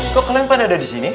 kok kalian pada ada disini